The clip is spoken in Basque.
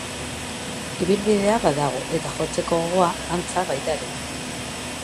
Ibilbidea badago eta jotzeko gogoa, antza, baita ere.